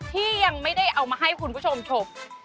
ที่ยังไม่ได้เอามาให้คุณผู้ชมชม